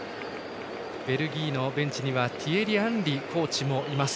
ベルギーのベンチにはティエリ・アンリコーチもいます。